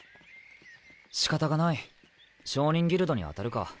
仕方がない商人ギルドに当たるか。